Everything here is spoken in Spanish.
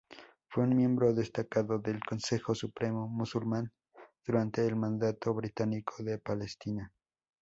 Fue un miembro destacado del Consejo Supremo musulmán durante el Mandato británico de Palestina.